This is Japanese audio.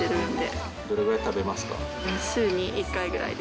どれぐらい食べますか？